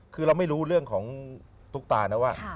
คือเราไม่รู้เรื่องของตุ๊กตานะว่า